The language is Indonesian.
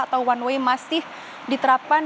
atau one way masih diterapkan